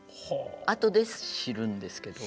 あとで知るんですけど。